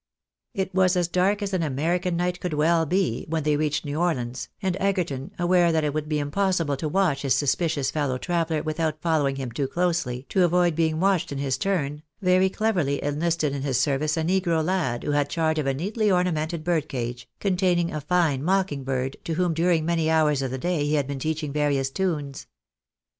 It was as dark as an American night could well be, when they reached New Orleans, and Egerton, aware that it would be impos sible to watch his suspicious fellow traveller without following him too closely to avoid being watched in his turn, very cleverly enlisted in his service a negro lad, who had charge of a neatly ornamented bird cage, containing a fine mocking bird, to whom during many hours of the day he had been teaching various tunes.